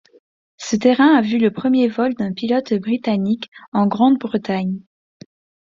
Ce terrain a vu le premier vol d'un pilote britannique en Grande-Bretagne.